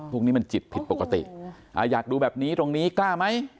พวกนี้มันจิตผิดปกติอยากดูแบบนี้ตรงนี้กล้าไหม